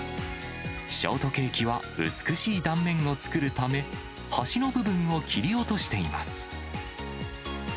ショートケーキは美しい断面を作るため、端の部分を切り落としています。